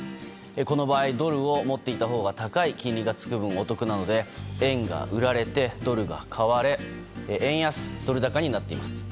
この場合ドルを持っていたほうが高い金利が付く分お得なので円が売られてドルが買われ円安ドル高になっています。